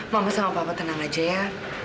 mama sama papa tenang aja ya